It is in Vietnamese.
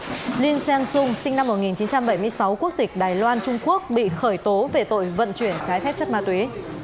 và linh seng sung sinh năm một nghìn chín trăm bảy mươi sáu quốc tịch đài loan trung quốc bị khởi tố về tội vận chuyển trái thép chất ma túy